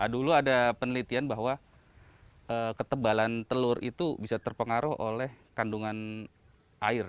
dulu ada penelitian bahwa ketebalan telur itu bisa terpengaruh oleh kandungan air